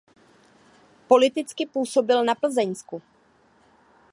Politicky působil na Plzeňsku.